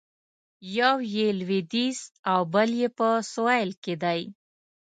یو یې لویدیځ او بل یې په سویل کې دی.